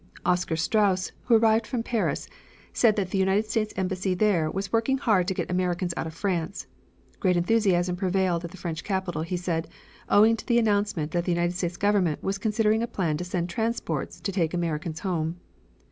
Oscar Straus, who arrived from Paris, said that the United States embassy there was working hard to get Americans out of France. Great enthusiasm prevailed at the French capital, he said, owing to the announcement that the United States Government was considering a plan to send transports to take Americans home.